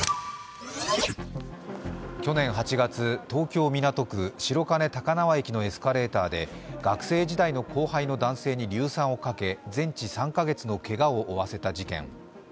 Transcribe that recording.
去年８月、東京・港区白金高輪駅のエスカレーターで学生時代の後輩の男性に硫酸をかけ、全治３か月のけがを負わせた事件。